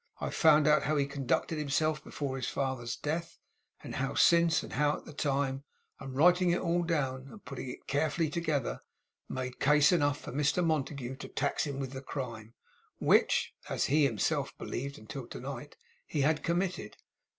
I found out how he conducted himself before his father's death, and how since and how at the time; and writing it all down, and putting it carefully together, made case enough for Mr Montague to tax him with the crime, which (as he himself believed until to night) he had committed.